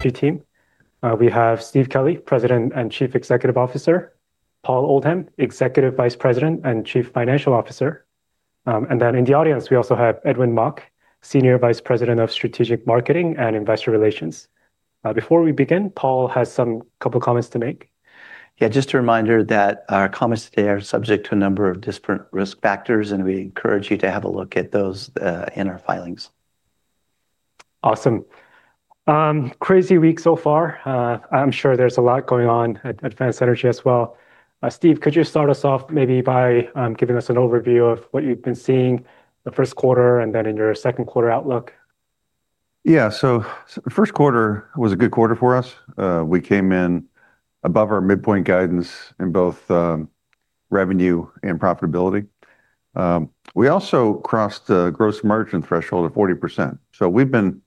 team. We have Steve Kelley, President and Chief Executive Officer, Paul Oldham, Executive Vice President and Chief Financial Officer. In the audience, we also have Edwin Mok, Senior Vice President of Strategic Marketing and Investor Relations. Before we begin, Paul has some couple comments to make. Just a reminder that our comments today are subject to a number of disparate risk factors, and we encourage you to have a look at those in our filings. Awesome. Crazy week so far. I'm sure there's a lot going on at Advanced Energy as well. Steve, could you start us off maybe by giving us an overview of what you've been seeing the first quarter and then in your second quarter outlook? Yeah. The first quarter was a good quarter for us. We came in above our midpoint guidance in both revenue and profitability. We also crossed the gross margin threshold of 40%. We've been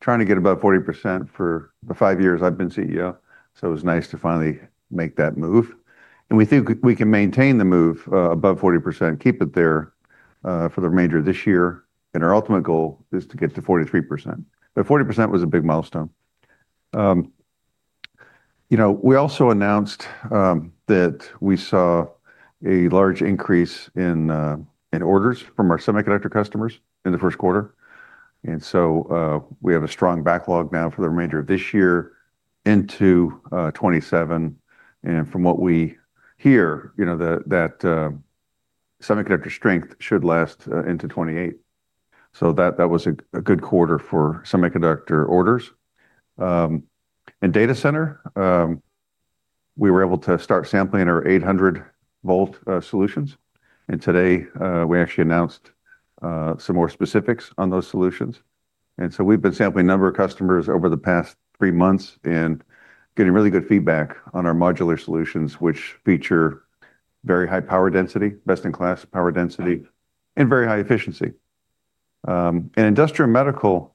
trying to get above 40% for the 5 years I've been CEO, so it was nice to finally make that move, and we think we can maintain the move above 40%, keep it there, for the remainder of this year, and our ultimate goal is to get to 43%, but 40% was a big milestone. We also announced that we saw a large increase in orders from our semiconductor customers in the first quarter. We have a strong backlog now for the remainder of this year into 2027. From what we hear, that semiconductor strength should last into 2028. That was a good quarter for semiconductor orders. In Data Center, we were able to start sampling our 800-volt solutions. Today, we actually announced some more specifics on those solutions. We've been sampling a number of customers over the past three months and getting really good feedback on our modular solutions, which feature very high power density, best-in-class power density, and very high efficiency. In Industrial & Medical,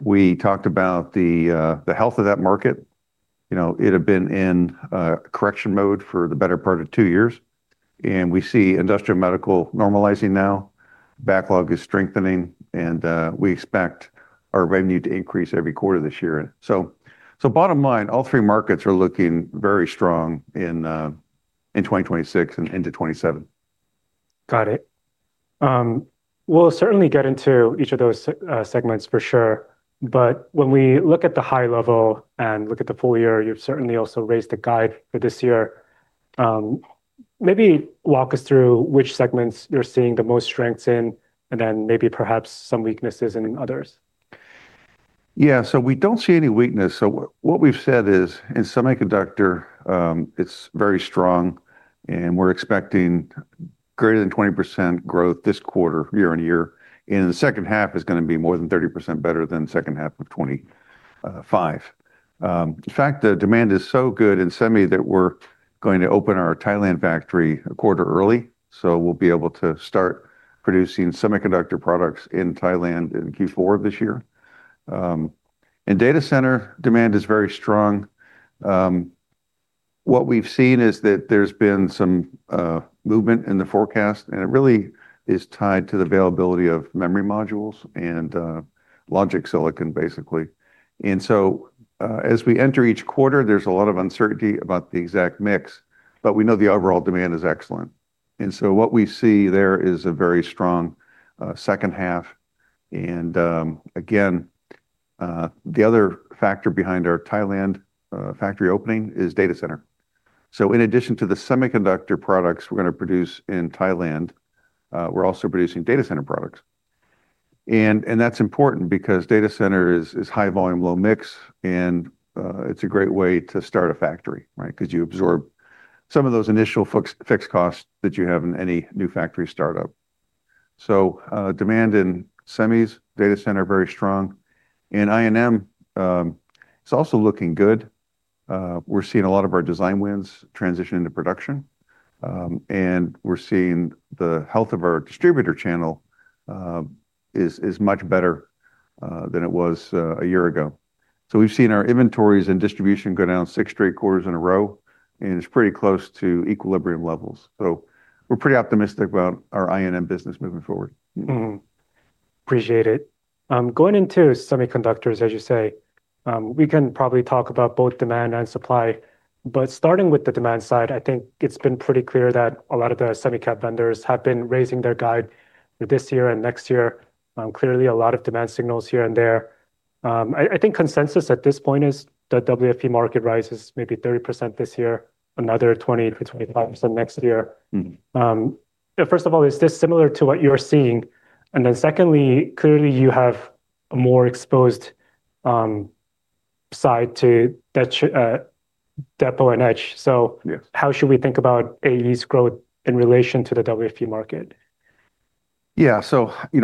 we talked about the health of that market. It had been in correction mode for the better part of two years. We see Industrial & Medical normalizing now. Backlog is strengthening. We expect our revenue to increase every quarter this year. Bottom line, all three markets are looking very strong in 2026 and into 2027. Got it. We'll certainly get into each of those segments for sure, but when we look at the high level and look at the full year, you've certainly also raised the guide for this year. Maybe walk us through which segments you're seeing the most strengths in, and then maybe perhaps some weaknesses in others? Yeah. We don't see any weakness. What we've said is, in Semiconductor, it's very strong, and we're expecting greater than 20% growth this quarter, year-on-year. The second half is going to be more than 30% better than second half of 2025. In fact, the demand is so good in semi that we're going to open our Thailand factory a quarter early, so we'll be able to start producing semiconductor products in Thailand in Q4 of this year. In Data Center, demand is very strong. What we've seen is that there's been some movement in the forecast, and it really is tied to the availability of memory modules and logic silicon, basically. As we enter each quarter, there's a lot of uncertainty about the exact mix, but we know the overall demand is excellent. What we see there is a very strong second half. Again, the other factor behind our Thailand factory opening is Data Center. In addition to the semiconductor products we're going to produce in Thailand, we're also producing Data Center products. That's important because Data Center is high volume, low mix, and it's a great way to start a factory, right? Because you absorb some of those initial fixed costs that you have in any new factory startup. Demand in Semis, Data Center, very strong. In I&M, it's also looking good. We're seeing a lot of our design wins transition into production, and we're seeing the health of our distributor channel, is much better than it was a year ago. We've seen our inventories and distribution go down six straight quarters in a row, and it's pretty close to equilibrium levels. We're pretty optimistic about our I&M business moving forward. Mm-hmm. Appreciate it. Going into semiconductors, as you say, we can probably talk about both demand and supply. Starting with the demand side, I think it's been pretty clear that a lot of the semicap vendors have been raising their guide this year and next year. Clearly, a lot of demand signals here and there. I think consensus at this point is the WFE market rises maybe 30% this year, another 20%-25% next year. First of all, is this similar to what you're seeing? Secondly, clearly you have a more exposed side to depo and etch. Yes. How should we think about AE's growth in relation to the WFE market? Yeah.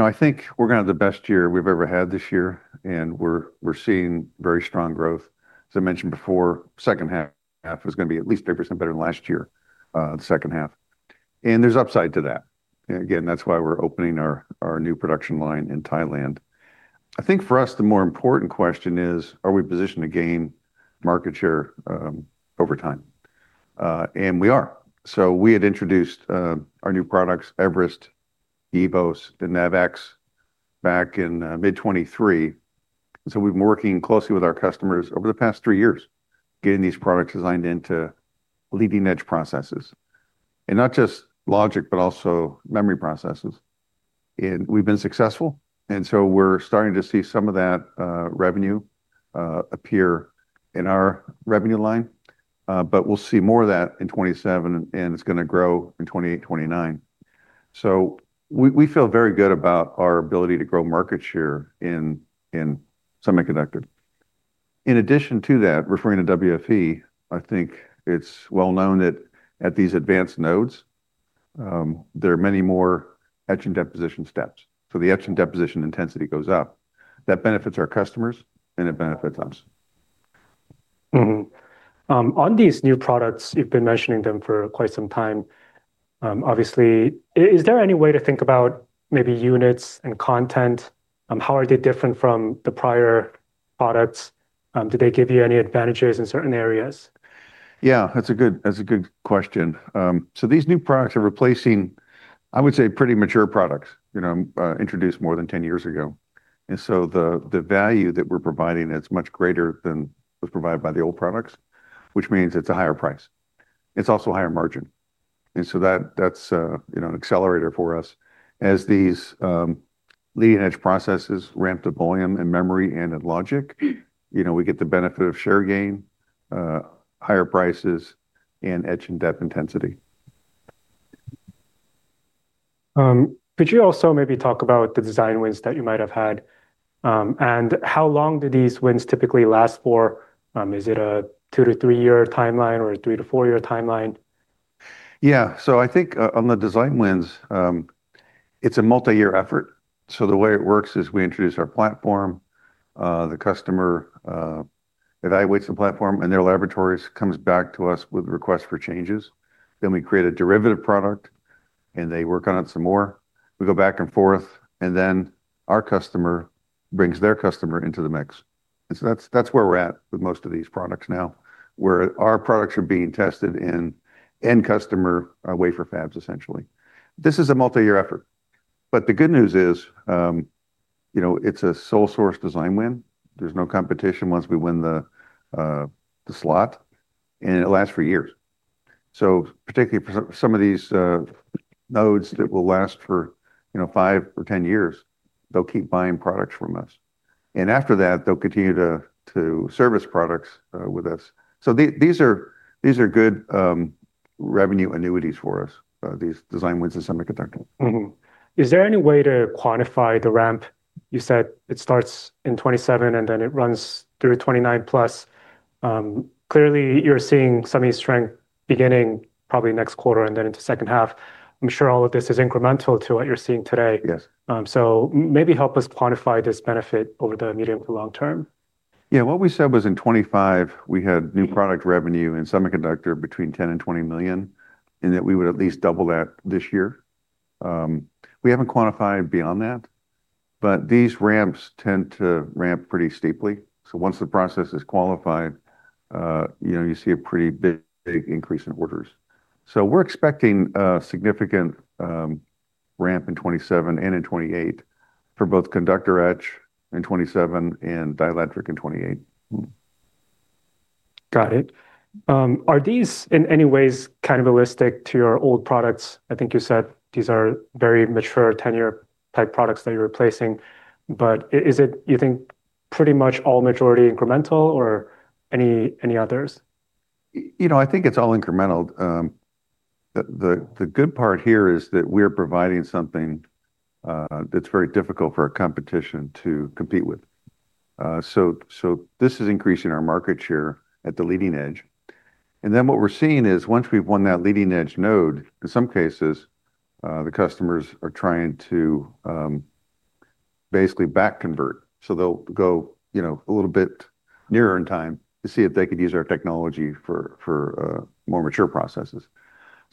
I think we're going to have the best year we've ever had this year, and we're seeing very strong growth. As I mentioned before, second half is going to be at least 30% better than last year, the second half. There's upside to that. Again, that's why we're opening our new production line in Thailand. I think for us, the more important question is: Are we positioned to gain market share over time? We are. We had introduced our new products, eVerest, eVoS, the NavX, back in mid 2023. We've been working closely with our customers over the past three years, getting these products designed into leading-edge processes. Not just logic, but also memory processes. We've been successful, and so we're starting to see some of that revenue appear in our revenue line. We'll see more of that in 2027, and it's going to grow in 2028, 2029. We feel very good about our ability to grow market share in semiconductor. In addition to that, referring to WFE, I think it's well known that at these advanced nodes, there are many more etch and deposition steps. The etch and deposition intensity goes up. That benefits our customers, and it benefits us. These new products, you've been mentioning them for quite some time, obviously. Is there any way to think about maybe units and content? How are they different from the prior products? Do they give you any advantages in certain areas? Yeah, that's a good question. These new products are replacing, I would say, pretty mature products introduced more than 10 years ago. The value that we're providing, it's much greater than was provided by the old products, which means it's a higher price. It's also a higher margin. That's an accelerator for us. As these leading-edge processes ramp to volume in memory and in logic, we get the benefit of share gain, higher prices, and etch and dep intensity. Could you also maybe talk about the design wins that you might have had, and how long do these wins typically last for? Is it a two to three-year timeline or a three to four-year timeline? Yeah. I think on the design wins, it's a multi-year effort. The way it works is we introduce our platform, the customer evaluates the platform, and their laboratories comes back to us with requests for changes. We create a derivative product, and they work on it some more. We go back and forth, and then our customer brings their customer into the mix. That's where we're at with most of these products now, where our products are being tested in end customer wafer fabs, essentially. This is a multi-year effort, but the good news is it's a sole source design win. There's no competition once we win the slot, and it lasts for years. Particularly for some of these nodes that will last for five or 10 years, they'll keep buying products from us. After that, they'll continue to service products with us. These are good revenue annuities for us, these design wins in semiconductor. Is there any way to quantify the ramp? You said it starts in 2027, and then it runs through 2029+. Clearly, you're seeing semi strength beginning probably next quarter and then into second half. I'm sure all of this is incremental to what you're seeing today. Yes. Maybe help us quantify this benefit over the medium to long term. What we said was in 2025, we had new product revenue in semiconductor between $10 million and $20 million, and that we would at least double that this year. We haven't quantified beyond that, but these ramps tend to ramp pretty steeply, so once the process is qualified, you see a pretty big increase in orders. We're expecting a significant ramp in 2027 and in 2028 for both conductor etch in 2027 and dielectric in 2028. Got it. Are these, in any ways, cannibalistic to your old products? I think you said these are very mature tenure-type products that you're replacing. Is it, you think, pretty much all majority incremental or any others? I think it's all incremental. The good part here is that we're providing something that's very difficult for our competition to compete with. This is increasing our market share at the leading edge. What we're seeing is once we've won that leading edge node, in some cases, the customers are trying to basically back convert. They'll go a little bit nearer in time to see if they could use our technology for more mature processes.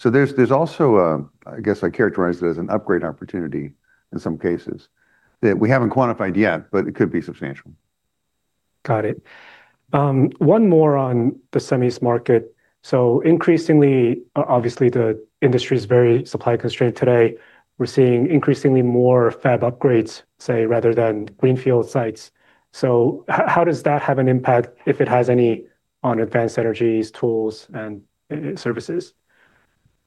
There's also, I guess I characterize it as an upgrade opportunity in some cases that we haven't quantified yet, but it could be substantial. Got it. One more on the semis market. Increasingly, obviously, the industry is very supply constrained today. We're seeing increasingly more fab upgrades, say, rather than greenfield sites. How does that have an impact, if it has any, on Advanced Energy's tools and services?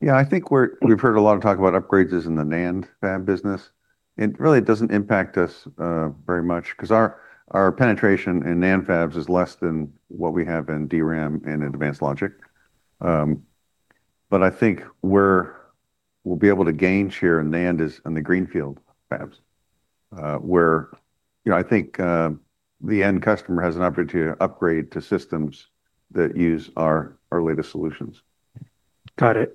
Yeah. I think we've heard a lot of talk about upgrades is in the NAND fab business. Really, it doesn't impact us very much because our penetration in NAND fabs is less than what we have in DRAM and Advanced Logic. I think where we'll be able to gain share in NAND is in the greenfield fabs, where I think the end customer has an opportunity to upgrade to systems that use our latest solutions. Got it.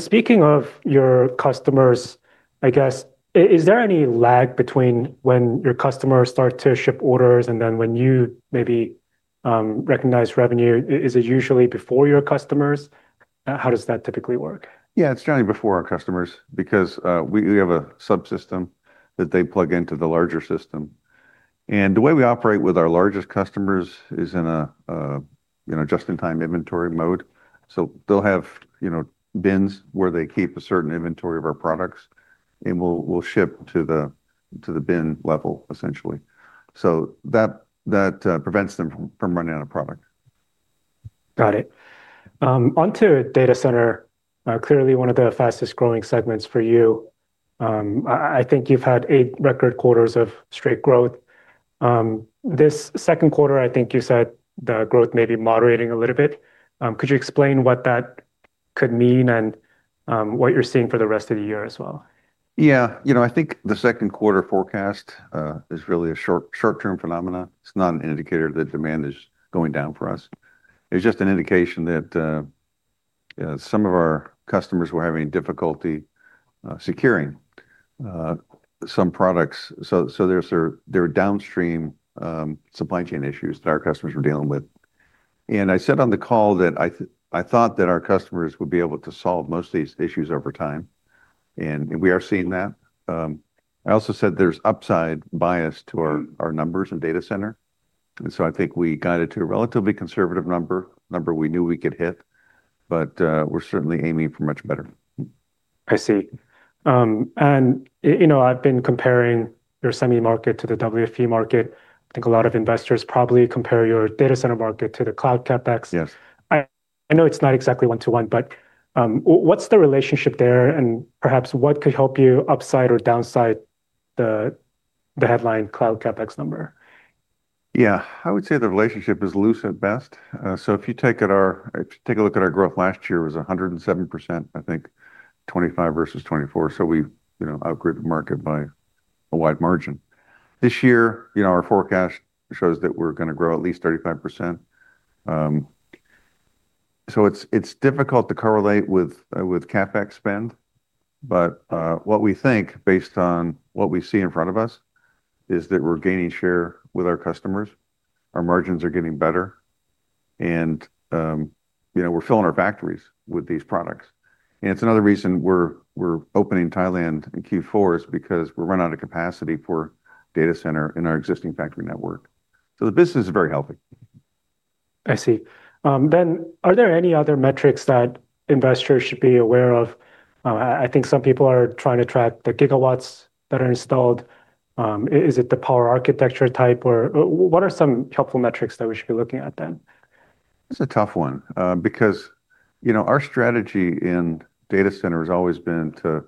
Speaking of your customers, I guess, is there any lag between when your customers start to ship orders and then when you maybe recognize revenue? Is it usually before your customers? How does that typically work? Yeah. It's generally before our customers, because we have a subsystem that they plug into the larger system. The way we operate with our largest customers is in a just-in-time inventory mode. They'll have bins where they keep a certain inventory of our products, and we'll ship to the bin level essentially. That prevents them from running out of product. Got it. On to Data Center. Clearly one of the fastest-growing segments for you. I think you've had eight record quarters of straight growth. This second quarter, I think you said the growth may be moderating a little bit. Could you explain what that could mean and what you're seeing for the rest of the year as well? I think the second quarter forecast, is really a short-term phenomena. It's not an indicator that demand is going down for us. It's just an indication that some of our customers were having difficulty securing some products. There are downstream supply chain issues that our customers were dealing with. I said on the call that I thought that our customers would be able to solve most of these issues over time, and we are seeing that. I also said there's upside bias to our numbers and Data Center. I think we guided to a relatively conservative number, a number we knew we could hit, but we're certainly aiming for much better. I see. I've been comparing your semi market to the WFE market. I think a lot of investors probably compare your Data Center market to the cloud CapEx. Yes. I know it's not exactly one-to-one, but what's the relationship there, and perhaps what could help you upside or downside the headline cloud CapEx number? I would say the relationship is loose at best. If you take a look at our growth last year was 107%, I think 2025 versus 2024. This year, our forecast shows that we're going to grow at least 35%. It's difficult to correlate with CapEx spend. What we think, based on what we see in front of us, is that we're gaining share with our customers, our margins are getting better, and we're filling our factories with these products. It's another reason we're opening Thailand in Q4 is because we've run out of capacity for Data Center in our existing factory network. The business is very healthy. I see. Are there any other metrics that investors should be aware of? I think some people are trying to track the gigawatts that are installed. Is it the power architecture type, or what are some helpful metrics that we should be looking at then? It's a tough one. Because our strategy in Data Center has always been to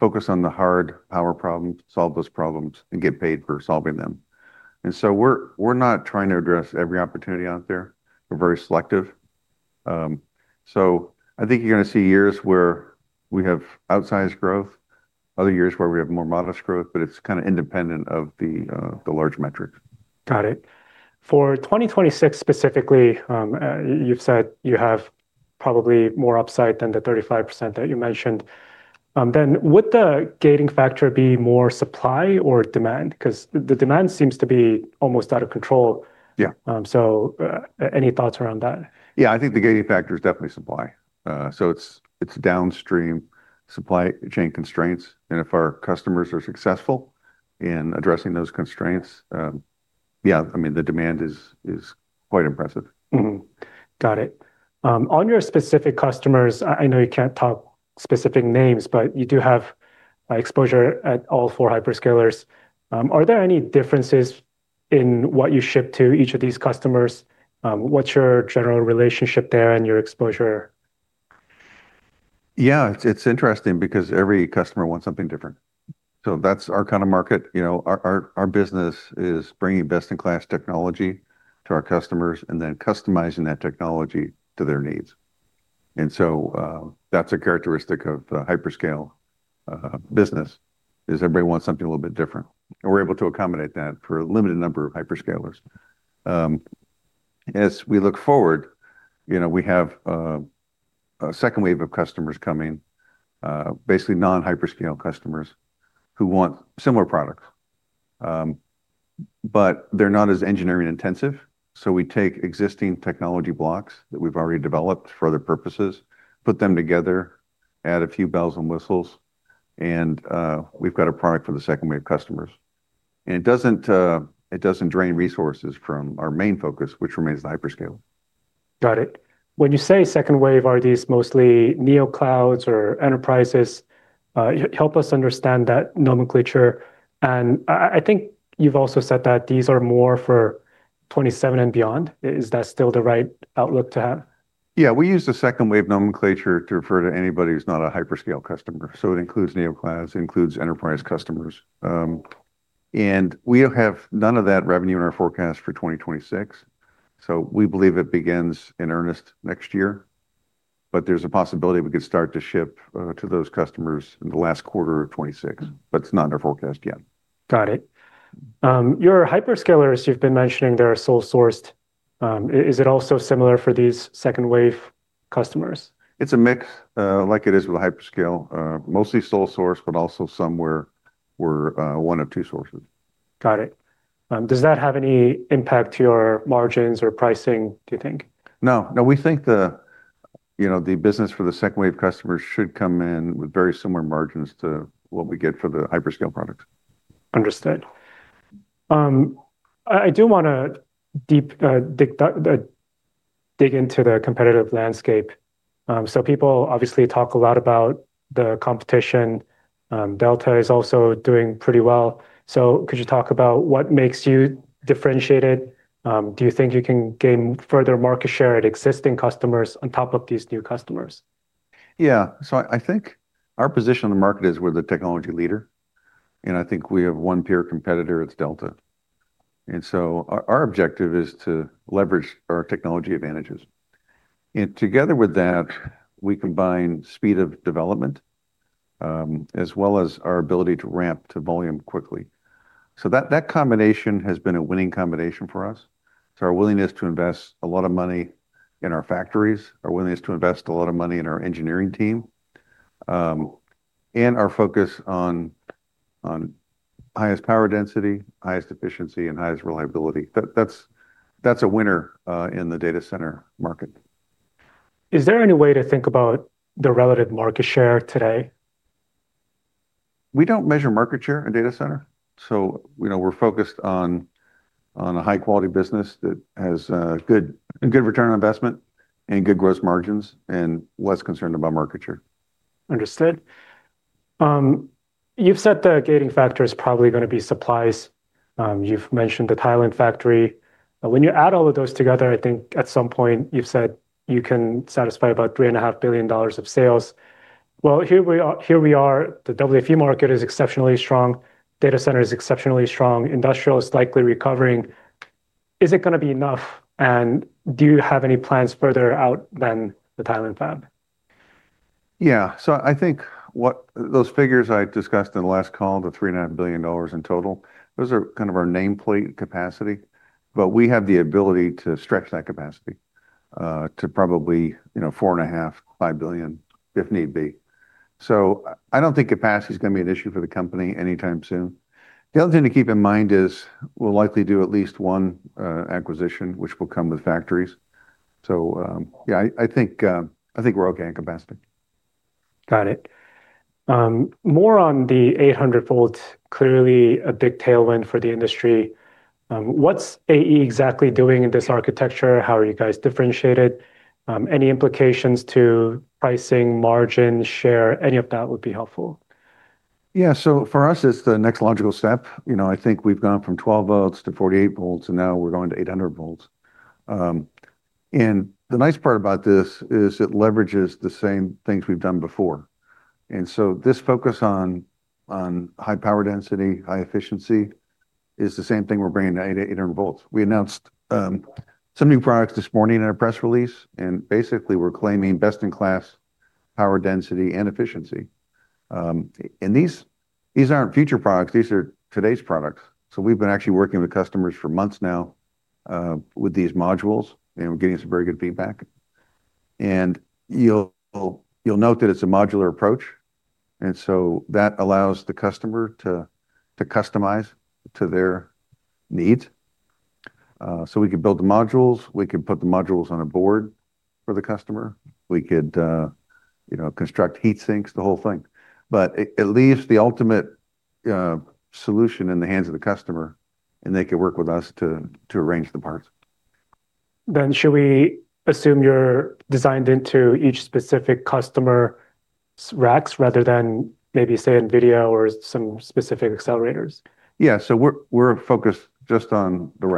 focus on the hard power problems, solve those problems, and get paid for solving them. We're not trying to address every opportunity out there. We're very selective. I think you're going to see years where we have outsized growth, other years where we have more modest growth, but it's kind of independent of the large metrics. Got it. For 2026 specifically, you've said you have probably more upside than the 35% that you mentioned. Would the gating factor be more supply or demand? Because the demand seems to be almost out of control. Yeah. Any thoughts around that? Yeah, I think the gating factor is definitely supply. It's downstream supply chain constraints, if our customers are successful in addressing those constraints, yeah, the demand is quite impressive. Got it. On your specific customers, I know you can't talk specific names, but you do have exposure at all four hyperscalers. Are there any differences in what you ship to each of these customers? What's your general relationship there and your exposure? Yeah. It's interesting because every customer wants something different. That's our kind of market. Our business is bringing best-in-class technology to our customers and then customizing that technology to their needs. That's a characteristic of the hyperscale business, is everybody wants something a little bit different. We're able to accommodate that for a limited number of hyperscalers. As we look forward, we have a second wave of customers coming, basically non-hyperscale customers who want similar products. They're not as engineering intensive, so we take existing technology blocks that we've already developed for other purposes, put them together, add a few bells and whistles, and we've got a product for the second wave customers. It doesn't drain resources from our main focus, which remains the hyperscale. Got it. When you say second wave, are these mostly neoclouds or enterprises? Help us understand that nomenclature, and I think you've also said that these are more for 2027 and beyond. Is that still the right outlook to have? Yeah. We use the second wave nomenclature to refer to anybody who's not a hyperscale customer, so it includes neoclouds, it includes enterprise customers. We have none of that revenue in our forecast for 2026, so we believe it begins in earnest next year. There's a possibility we could start to ship to those customers in the last quarter of 2026. It's not in our forecast yet. Got it. Your hyperscalers, you've been mentioning they're sole-sourced. Is it also similar for these second-wave customers? It's a mix, like it is with hyperscale. Mostly sole source, but also some were one of two sources. Got it. Does that have any impact to your margins or pricing, do you think? No. We think the business for the second wave of customers should come in with very similar margins to what we get for the hyperscale products. Understood. I do want to dig into the competitive landscape. People obviously talk a lot about the competition. Delta is also doing pretty well. Could you talk about what makes you differentiated? Do you think you can gain further market share at existing customers on top of these new customers? Yeah. I think our position in the market is we're the technology leader, and I think we have one peer competitor, it's Delta. Our objective is to leverage our technology advantages. Together with that, we combine speed of development, as well as our ability to ramp to volume quickly. That combination has been a winning combination for us. It's our willingness to invest a lot of money in our factories, our willingness to invest a lot of money in our engineering team, and our focus on highest power density, highest efficiency, and highest reliability. That's a winner in the data center market. Is there any way to think about the relative market share today? We don't measure market share in Data Center. We're focused on a high-quality business that has a good return on investment and good gross margins, and less concerned about market share. Understood. You've said the gating factor is probably going to be supplies. You've mentioned the Thailand factory. When you add all of those together, I think at some point you've said you can satisfy about $3.5 billion of sales. Well, here we are. The WFE market is exceptionally strong. Data center is exceptionally strong. Industrial is likely recovering. Is it going to be enough, and do you have any plans further out than the Thailand fab? Yeah. I think those figures I discussed in the last call, the $3.9 billion in total, those are kind of our nameplate capacity. We have the ability to stretch that capacity to probably $4.5 billion-$5 billion if need be. I don't think capacity's going to be an issue for the company anytime soon. The other thing to keep in mind is we'll likely do at least one acquisition, which will come with factories. Yeah, I think we're okay on capacity. Got it. More on the 800-volt, clearly a big tailwind for the industry. What's AE exactly doing in this architecture? How are you guys differentiated? Any implications to pricing, margin, share, any of that would be helpful. For us, it's the next logical step. I think we've gone from 12 volts to 48 volts, and now we're going to 800 volts. The nice part about this is it leverages the same things we've done before. This focus on high power density, high efficiency is the same thing we're bringing to 800 volts. We announced some new products this morning in our press release, basically, we're claiming best-in-class power density and efficiency. These aren't future products, these are today's products. We've been actually working with customers for months now, with these modules, and we're getting some very good feedback. You'll note that it's a modular approach, that allows the customer to customize to their needs. We can build the modules, we can put the modules on a board for the customer. We could construct heat sinks, the whole thing. It leaves the ultimate solution in the hands of the customer, and they could work with us to arrange the parts. Should we assume you're designed into each specific customer's racks rather than maybe, say, NVIDIA or some specific accelerators? Yeah. We're focused just on the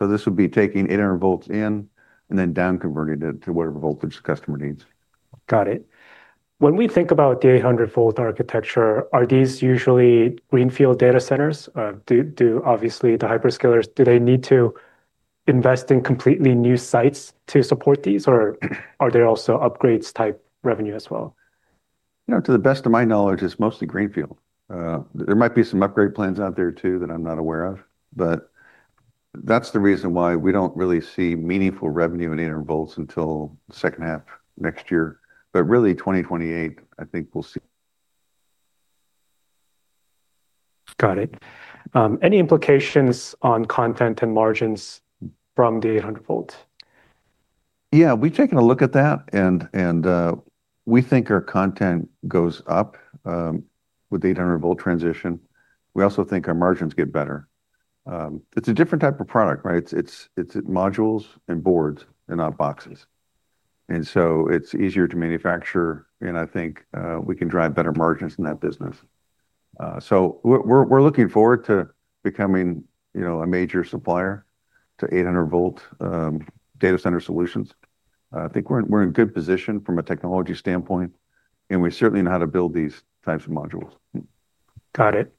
rack. This would be taking 800 volts in and then down converting it to whatever voltage the customer needs. Got it. When we think about the 800-volt architecture, are these usually greenfield data centers? Obviously the hyperscalers, do they need to invest in completely new sites to support these, or are there also upgrades type revenue as well? To the best of my knowledge, it's mostly greenfield. There might be some upgrade plans out there too, that I'm not aware of, but that's the reason why we don't really see meaningful revenue in 800-volt until the second half next year. Really 2028, I think we'll see. Got it. Any implications on content and margins from the 800-volt? Yeah. We've taken a look at that, we think our content goes up with the 800-volt transition. We also think our margins get better. It's a different type of product, right? It's modules and boards and not boxes. It's easier to manufacture, and I think we can drive better margins in that business. We're looking forward to becoming a major supplier to 800-volt Data Center solutions. I think we're in a good position from a technology standpoint, and we certainly know how to build these types of modules. Got it.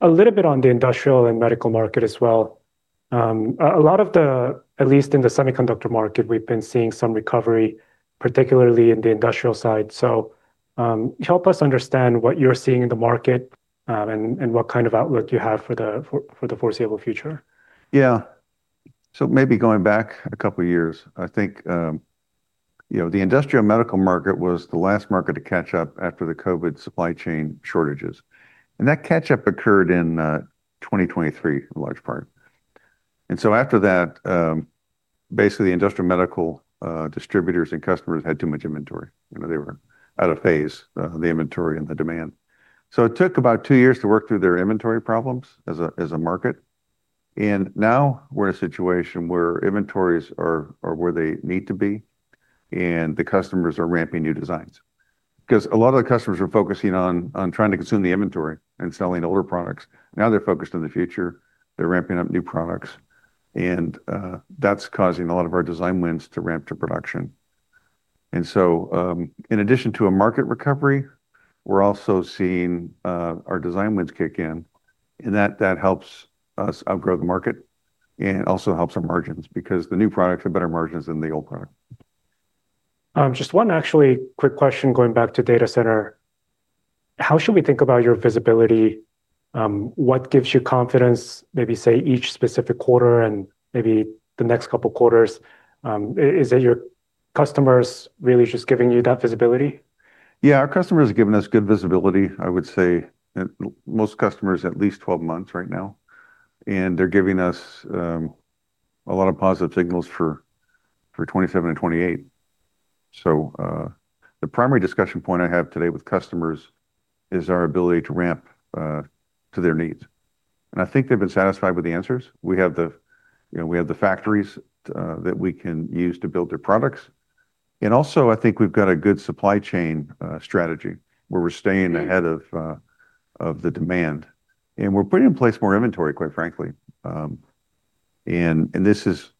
A little bit on the Industrial & Medical market as well. A lot of the, at least in the semiconductor market, we've been seeing some recovery, particularly in the industrial side. Help us understand what you're seeing in the market, and what kind of outlook you have for the foreseeable future. Yeah. Maybe going back a couple of years, I think the Industrial & Medical market was the last market to catch up after the COVID supply chain shortages. That catch-up occurred in 2023, in large part. After that, basically Industrial & Medical distributors and customers had too much inventory. They were out of phase, the inventory and the demand. It took about two years to work through their inventory problems as a market. Now we're in a situation where inventories are where they need to be, and the customers are ramping new designs. A lot of the customers are focusing on trying to consume the inventory and selling older products. Now they're focused on the future. They're ramping up new products. That's causing a lot of our design wins to ramp to production. In addition to a market recovery, we're also seeing our design wins kick in, and that helps us outgrow the market, and it also helps our margins, because the new products are better margins than the old products. Just one actually quick question, going back to Data Center. How should we think about your visibility? What gives you confidence, maybe, say, each specific quarter and maybe the next couple of quarters? Is it your customers really just giving you that visibility? Yeah, our customers are giving us good visibility. I would say most customers at least 12 months right now. They're giving us a lot of positive signals for 2027 and 2028. The primary discussion point I have today with customers is our ability to ramp to their needs. I think they've been satisfied with the answers. We have the factories that we can use to build their products. Also, I think we've got a good supply chain strategy, where we're staying ahead of the demand. We're putting in place more inventory, quite frankly. This is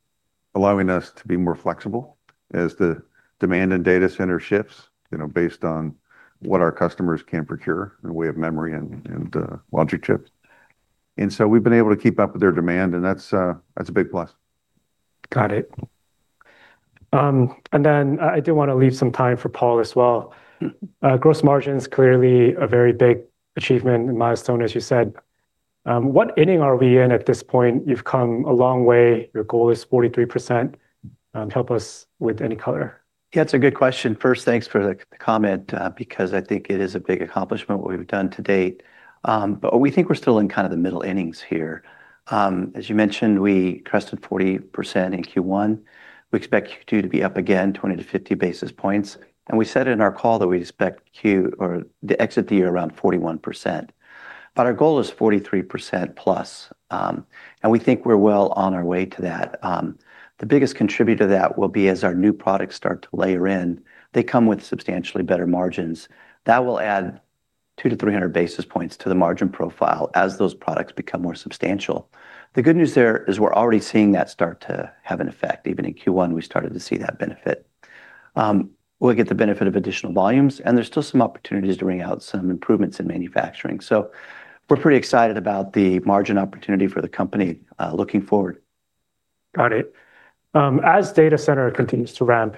allowing us to be more flexible as the demand in Data Center shifts based on what our customers can procure in the way of memory and logic chips. We've been able to keep up with their demand, and that's a big plus. Got it. I do want to leave some time for Paul as well. Gross margin's clearly a very big achievement and milestone, as you said. What inning are we in at this point? You've come a long way. Your goal is 43%. Help us with any color. Yeah, it's a good question. First, thanks for the comment, because I think it is a big accomplishment what we've done to date. We think we're still in the middle innings here. As you mentioned, we crested 40% in Q1. We expect Q2 to be up again 20 basis points to 50 basis points. We said in our call that we expect to exit the year around 41%. Our goal is 43% plus. We think we're well on our way to that. The biggest contributor to that will be as our new products start to layer in, they come with substantially better margins. That will add 200 basis points to 300 basis points to the margin profile as those products become more substantial. The good news there is we're already seeing that start to have an effect. Even in Q1, we started to see that benefit. We'll get the benefit of additional volumes. There's still some opportunities to wring out some improvements in manufacturing. We're pretty excited about the margin opportunity for the company looking forward. Got it. As Data Center continues to ramp,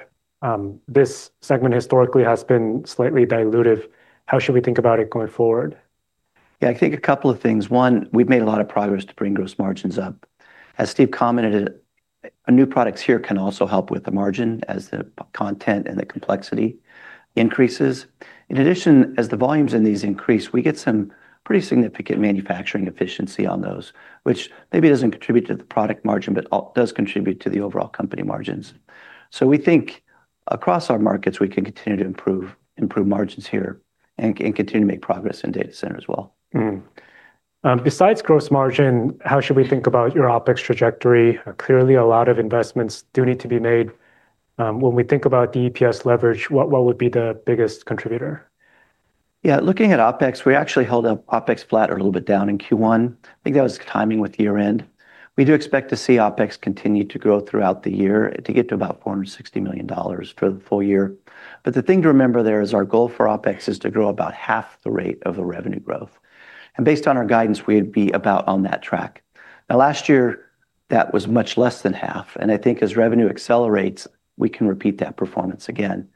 this segment historically has been slightly dilutive. How should we think about it going forward? Yeah, I think a couple of things. One, we've made a lot of progress to bring gross margins up. As Steve commented, new products here can also help with the margin as the content and the complexity increases. In addition, as the volumes in these increase, we get some pretty significant manufacturing efficiency on those, which maybe doesn't contribute to the product margin, but does contribute to the overall company margins. We think across our markets, we can continue to improve margins here and continue to make progress in Data Center as well. Besides gross margin, how should we think about your OpEx trajectory? A lot of investments do need to be made. When we think about the EPS leverage, what would be the biggest contributor? Looking at OpEx, we actually held up OpEx flat or a little bit down in Q1. I think that was timing with year-end. We do expect to see OpEx continue to grow throughout the year to get to about $460 million for the full year. The thing to remember there is our goal for OpEx is to grow about half the rate of the revenue growth. Based on our guidance, we'd be about on that track. Last year, that was much less than half, and I think as revenue accelerates, we can repeat that performance again.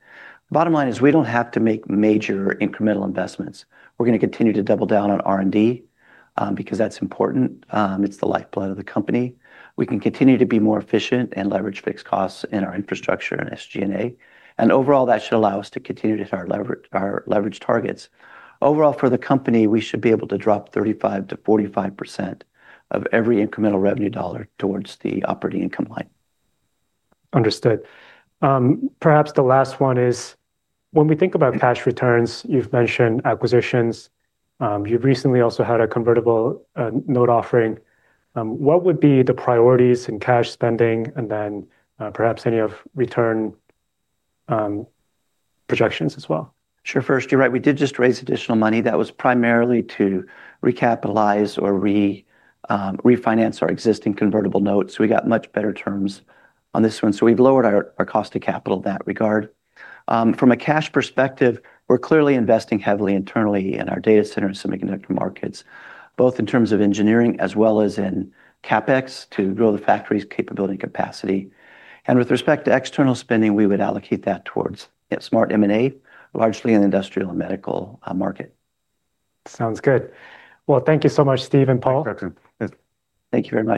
Bottom line is we don't have to make major incremental investments. We're going to continue to double down on R&D, because that's important. It's the lifeblood of the company. We can continue to be more efficient and leverage fixed costs in our infrastructure and SG&A. Overall, that should allow us to continue to hit our leverage targets. Overall, for the company, we should be able to drop 35%-45% of every incremental revenue dollar towards the operating income line. Understood. Perhaps the last one is, when we think about cash returns, you've mentioned acquisitions. You've recently also had a convertible note offering. What would be the priorities in cash spending, and then perhaps any of return projections as well? Sure. First, you're right, we did just raise additional money. That was primarily to recapitalize or refinance our existing convertible notes. We got much better terms on this one, so we've lowered our cost to capital in that regard. From a cash perspective, we're clearly investing heavily internally in our Data Center and Semiconductor markets, both in terms of engineering as well as in CapEx to grow the factory's capability and capacity. With respect to external spending, we would allocate that towards smart M&A, largely in the Industrial & Medical market. Sounds good. Well, thank you so much, Steve and Paul. Perfect. Thank you very much.